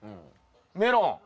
メロン。